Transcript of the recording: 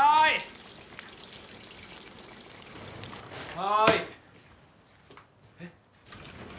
はいえっ？